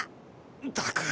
ったく。